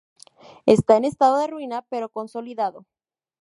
Está en estado de ruina, pero consolidado.